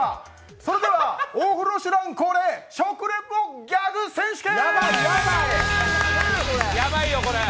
それでは「オフロシュラン」恒例食リポギャグ選手権！